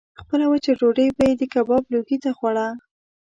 خپله وچه ډوډۍ به یې د کباب لوګي ته خوړه.